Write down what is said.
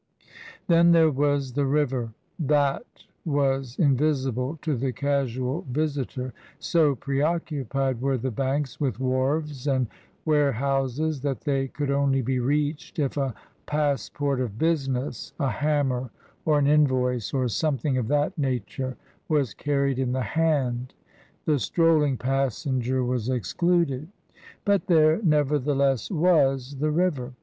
Then there was the river ! That was invisible to the casual visitor; so preoccupied were the banks with wharves and warehouses that they could only be reached if a passport of business — a hammer, or an invoice, or something of that nature — was carried in the hand ; the strolling passenger was excluded. But there, neverthe less, was the river